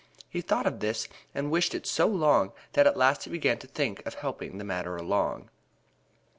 He thought of this and wished it so long that at last he began to think of helping the matter along.